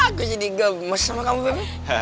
aku jadi gemes sama kamu ini